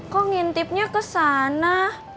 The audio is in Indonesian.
kok ngintipnya kesana